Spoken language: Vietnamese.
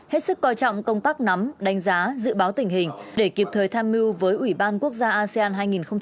hết sức coi trọng công tác nắm đánh giá dự báo tình hình để kịp thời tham mưu với ủy ban quốc gia asean hai nghìn hai mươi